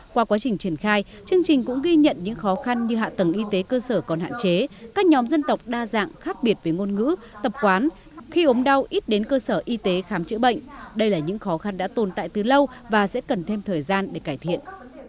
qua quá trình triển khai chương trình cũng ghi nhận những khó khăn như hạ tầng y tế cơ sở còn hạn chế các nhóm dân tộc đa dạng khác biệt với ngôn ngữ tập quán khi ốm đau ít đến cơ sở y tế khám chữa bệnh đây là những khó khăn đã tồn tại từ lâu và sẽ cần thêm thời gian để cải thiện